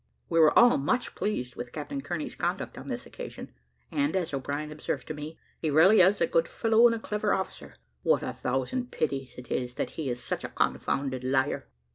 We were all much pleased with Captain Kearney's conduct on this occasion; and, as O'Brien observed to me, "He really is a good fellow and clever officer. What a thousand pities it is that he is such a confounded liar!"